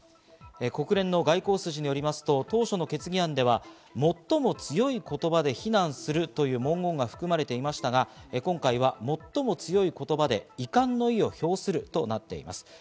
国連の外交筋によりますと、当初の決議案では最も強い言葉で非難するという文言が含まれていましたが、今回は最も強い言葉で遺憾の意を表するとなっています。